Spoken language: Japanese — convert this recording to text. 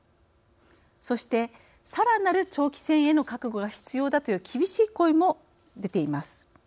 そしてさらなる長期戦への覚悟が必要だという厳しい声も出ています。